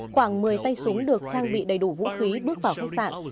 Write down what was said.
khoảng một mươi tay súng được trang bị đầy đủ vũ khí bước vào khách sạn